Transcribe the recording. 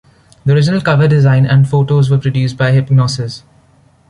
The original cover design and photos were produced by Hipgnosis.